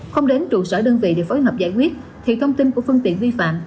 không đến trụ sở đơn vị để phối hợp giải quyết thì thông tin của phương tiện vi phạm